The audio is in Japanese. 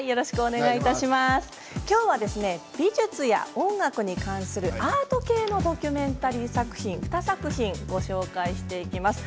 きょうは美術や音楽に関するアート系のドキュメンタリー作品２作品、ご紹介していきます。